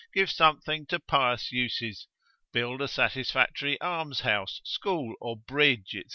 give something to pious uses, build a satisfactory alms house, school or bridge, &c.